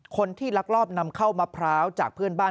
ลักลอบนำเข้ามะพร้าวจากเพื่อนบ้าน